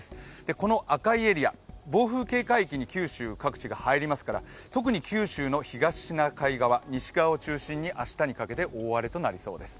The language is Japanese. この赤いエリア、暴風警戒区域に九州が入りますから特に九州の東シナ海側、西側を中心に明日にかけて大荒れとなりそうです。